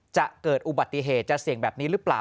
จะเกิดอุบัติเหตุจะเสี่ยงแบบนี้หรือเปล่า